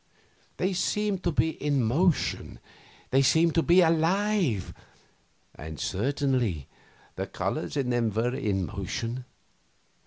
They seemed to be in motion, they seemed to be alive; and certainly the colors in them were in motion.